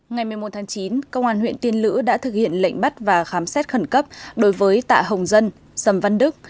ngày một mươi một tháng chín công an huyện tiên lữ đã thực hiện lệnh bắt và khám xét khẩn cấp đối với tạ hồng dân sầm văn đức